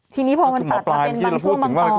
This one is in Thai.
ที่นี้พวกเมื่อกี้เราพูดถึงว่า